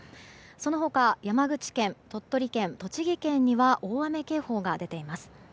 その他山口県、鳥取県、栃木県には大雨警報が出ています。